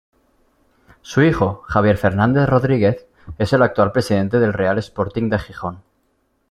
Su hijo, Javier Fernández Rodríguez, es el actual presidente del Real Sporting de Gijón.